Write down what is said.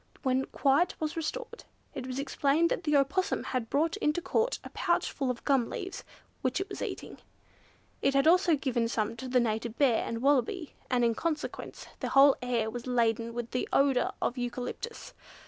When quiet was restored, it was explained that the Opossum had brought into Court a pouch full of gum leaves, which it was eating. It had also given some to the Native Bear, and Wallaby, and in consequence the whole air was laden with the odour of eucalyptus.